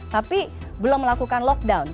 jadi belum melakukan lockdown